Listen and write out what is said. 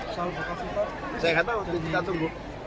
saya gak tau kita tunggu